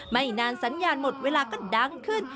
ไม่นานสัญญาณหมดเวลาก็ดังขึ้น